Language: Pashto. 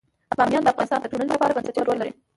بامیان د افغانستان د ټولنې لپاره بنسټيز رول لري.